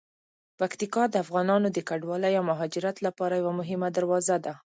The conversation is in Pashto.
پکتیکا د افغانانو د کډوالۍ او مهاجرت لپاره یوه مهمه دروازه ده.